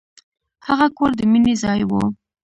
هغه کور د مینې ځای و.